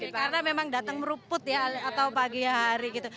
karena memang datang meruput ya atau pagi hari gitu